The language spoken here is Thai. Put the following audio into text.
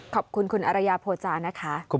ขอบคุณคุณอรยาโพจานะคะ